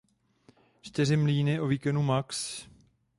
Čtyři mlýny o výkonu max.